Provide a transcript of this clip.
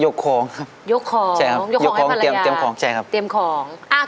ยกของครับใช่ครับยกของให้ภรรยายกของเตรียมของใช่ครับ